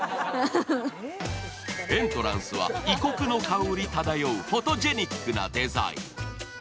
エントランスは異国の香り漂うフォトジェニックなデザイン。